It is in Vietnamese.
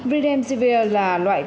redemzivir là loại thuốc